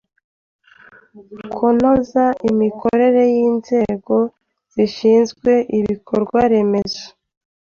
Konoza imikorere y inzego zishinzwe ibikorwaremezo